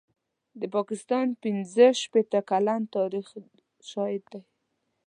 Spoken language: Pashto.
د پاکستان پنځه شپېته کلن تاریخ شاهد دی.